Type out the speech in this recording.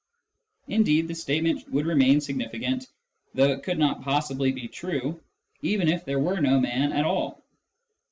Indeed the statement would remain significant, though it could not possibly be true, even if there were no man at all.